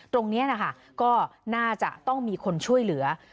ตรงนี้นะคะก็น่าจะต้องมีคนช่วยเหลือ